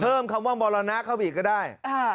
เพิ่มคำว่ามรณาเข้าอีกก็ได้